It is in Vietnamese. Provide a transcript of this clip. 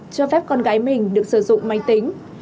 cho phép con gái mình được sử dụng máy tính